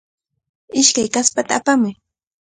Ishkay kaspata apamuy.